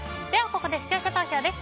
ここで視聴者投票です。